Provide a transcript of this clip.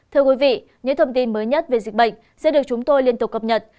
thưa quý vị những thông tin mới nhất về dịch bệnh sẽ được chúng tôi liên tục cập nhật